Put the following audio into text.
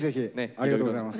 ありがとうございます。